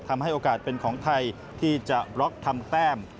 ทำให้โอกาสเป็นของไทยที่จะบล็อกทำแต้ม